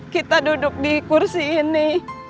kita duduk di kursi ini